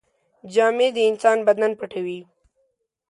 جامې د انسان بدن پټوي.